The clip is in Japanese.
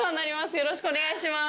よろしくお願いします。